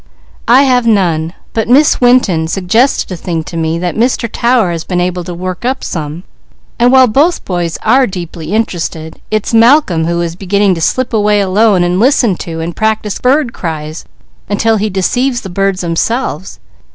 "I have none, but Miss Winton suggested a thing to me that Mr. Tower has been able to work up some, and while both boys are deeply interested, it's Malcolm who is beginning to slip away alone and listen to and practise bird cries until he deceives the birds themselves.